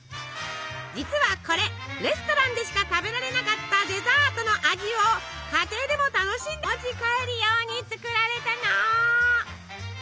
実はこれレストランでしか食べられなかったデザートの味を家庭でも楽しんでほしいとお持ち帰り用に作られたの！